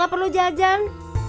gak perlu jajan